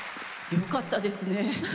よかったですね。